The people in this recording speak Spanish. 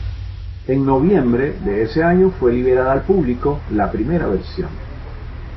En noviembre de ese año fue liberada al público la primera versión.